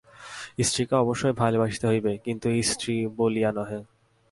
স্ত্রীকে অবশ্যই ভালবাসিতে হইবে, কিন্তু স্ত্রী বলিয়া নহে।